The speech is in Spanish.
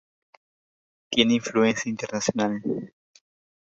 Tiene influencia internacional.